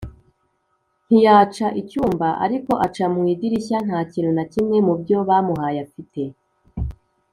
ntiyaca icyumba ariko aca mu idirishya Nta kintu na kimwe mu byo bamuhaye afite